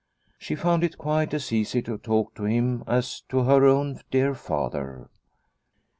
She found it quite as easy to talk to him as to her own dear father.